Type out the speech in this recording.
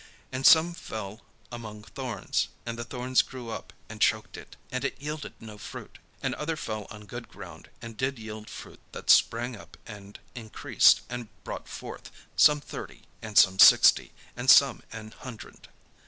And some fell among thorns, and the thorns grew up, and choked it, and it yielded no fruit. And other fell on good ground, and did yield fruit that sprang up and increased; and brought forth, some thirty, and some sixty, and some an hundred."